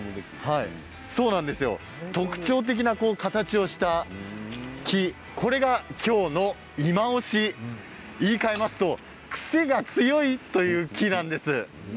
特徴的な形をした木これが今日のいまオシ、言いかえますと癖が強い木なんです。